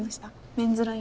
メンズライン。